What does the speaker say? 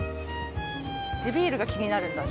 地ビールが気になるんだ。